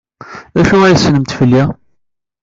D acu ay tessnemt fell-i?